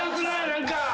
何か！